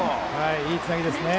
いいつなぎですね。